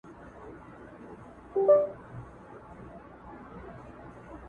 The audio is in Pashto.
• څه کم عقل ماشومان دي د ښارونو -